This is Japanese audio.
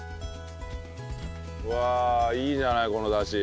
うわあいいじゃないこのダシ。